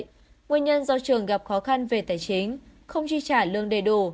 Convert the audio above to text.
nguyên nhân do trường gặp khó khăn về tài chính không chi trả lương đầy đủ